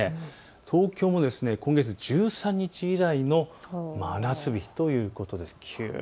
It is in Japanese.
東京も今月１３日以来の真夏日ということです。